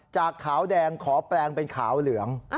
จากขาวแดงขอแปลงเป็นขาวเหลือง